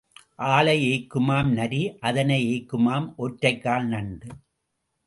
ஆளை ஏய்க்குமாம் நரி அதனை ஏய்க்குமாம் ஒற்றைக்கால் நண்டு.